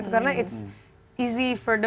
karena itu mudah